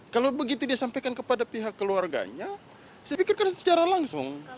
kalau begitu dia sampaikan kepada pihak keluarganya saya pikirkan secara langsung